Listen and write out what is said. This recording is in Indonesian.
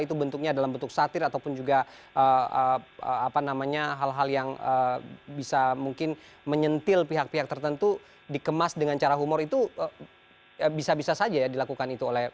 itu bentuknya dalam bentuk satir ataupun juga hal hal yang bisa mungkin menyentil pihak pihak tertentu dikemas dengan cara humor itu bisa bisa saja ya dilakukan itu oleh